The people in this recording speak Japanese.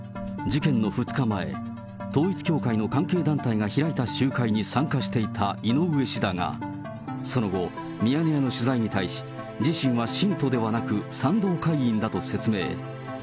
事件の２日前、統一教会の関係団体が開いた集会に参加していた井上氏だが、その後、ミヤネ屋の取材に対し、自身は信徒ではなく、賛同会員だと説明。